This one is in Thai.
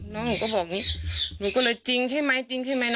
น้องหนูก็บอกนี้หนูก็เลยจริงใช่มั้ยจริงใช่มั้ย